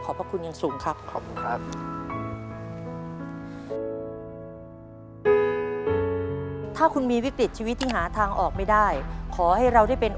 ขอบพระคุณยังสูงครับ